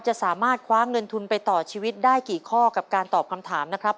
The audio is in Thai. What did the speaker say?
จะสามารถคว้าเงินทุนไปต่อชีวิตได้กี่ข้อกับการตอบคำถามนะครับ